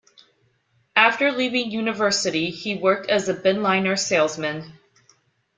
After leaving university he worked as a binliner salesman.